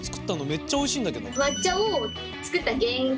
めっちゃおいしいんだけど。